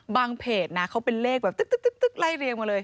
เพจนะเขาเป็นเลขแบบตึ๊กไล่เรียงมาเลย